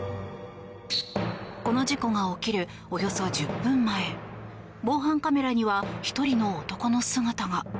この事故が起きるおよそ１０分前防犯カメラには１人の男の姿が。